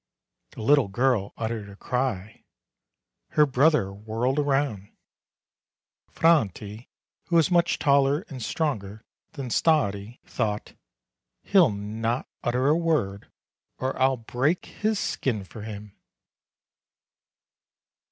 The little girl uttered a cry; her brother whirled round. Franti, who is much taller and stronger than Stardi, thought: "He'll not utter a word, or I'll break his skin for him!"